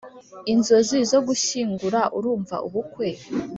inzozi zo gushyingura urumva ubukwe